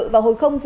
vào hồi giờ